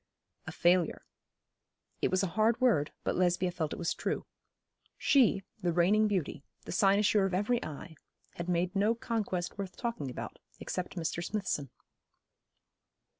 A failure. It was a hard word, but Lesbia felt it was true. She, the reigning beauty, the cynosure of every eye, had made no conquest worth talking about, except Mr. Smithson.